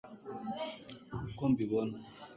uko mbibona